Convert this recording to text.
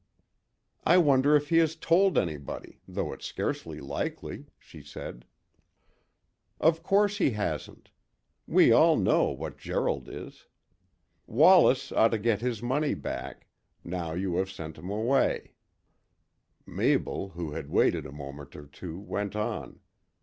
"I wonder if he has told anybody, though it's scarcely likely," she said. "Of course he hasn't. We all know what Gerald is. Wallace ought to get his money back, now you have sent him away," Mabel, who had waited a moment or two, went on.